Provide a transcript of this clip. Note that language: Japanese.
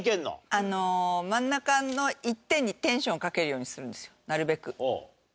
あの真ん中の一点にテンションをかけるようにするんですよなるべく。